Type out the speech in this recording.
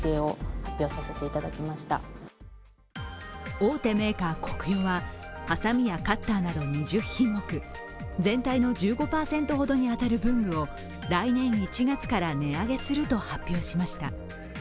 大手メーカー、コクヨははさみやカッターなど２０品目全体の１５％ほどに当たる文具を来年１月から値上げすると発表しました。